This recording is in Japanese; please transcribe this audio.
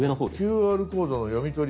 「ＱＲコードの読み取り成功」。